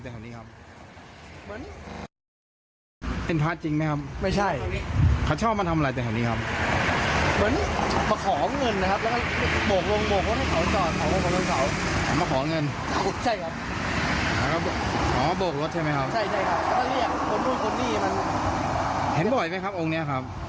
ทุกคืนทุกคืนเลยครับบางที